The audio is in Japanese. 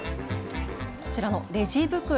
こちらのレジ袋。